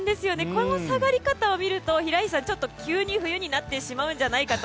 この下がり方を見ると、平石さん急に冬になってしまうんじゃないかと。